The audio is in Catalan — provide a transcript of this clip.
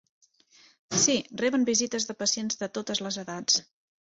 Sí, reben visites de pacients de totes les edats.